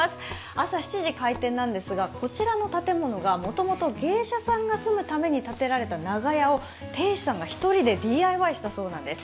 朝７時開店なんですが、こちらの建物がもともと芸者さんが住むために建てられた長屋を亭主さんが一人でＤＩＹしたそうなんです。